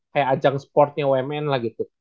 kayak ajang sportnya umn lah gitu